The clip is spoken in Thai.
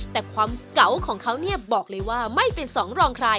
แต่ความเก่าของเขาเนี่ยบอกเลยว่าไม่เป็นสองรองใคร